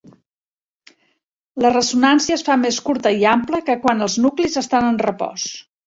La ressonància es fa més curta i ampla que quan els nuclis estan en repòs.